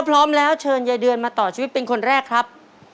พร้อมแล้วเชิญยายเดือนมาต่อชีวิตเป็นคนแรกครับ